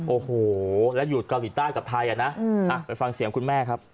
โอ้โหแล้วหยุดกับไทยนะไปฟังเสียงคุณแม่ครับ